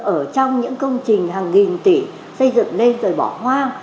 ở trong những công trình hàng nghìn tỷ xây dựng lên rồi bỏ hoang